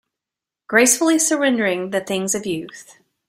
Gracefully surrendering the things of youth.